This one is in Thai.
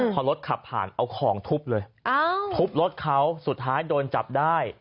พอรถขับผ่านเอาของทุบเลยทุบรถเขาสุดท้ายโดนจับได้